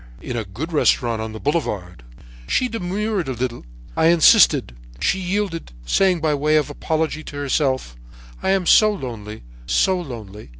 "'In a good restaurant on the Boulevard.' "She demurred a little. I insisted. She yielded, saying by way of apology to herself: 'I am so lonely—so lonely.'